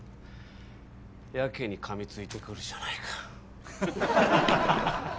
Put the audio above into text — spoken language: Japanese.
やけにかみついてくるじゃないか。